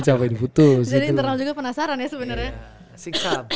jadi internal juga penasaran ya sebenernya